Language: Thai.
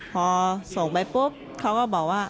พอส่งไปปุ๊บเขาก็บอกว่า